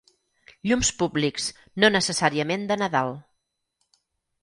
Llums públics, no necessàriament de Nadal.